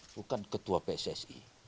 bukan ketua pssi